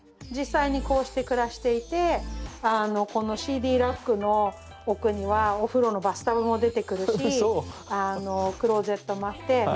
実際にこうして暮らしていてこのＣＤラックの奥にはお風呂のバスタブも出てくるしクローゼットもあって。